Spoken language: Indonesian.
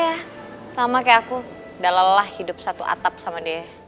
ya sama kayak aku udah lelah hidup satu atap sama dia